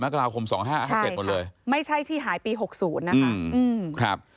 ใช่ค่ะไม่ใช่ที่หายปี๖๐นะคะ